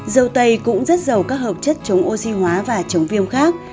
dâu tây cũng rất giàu các hợp chất chống oxy hóa và chống viêm khác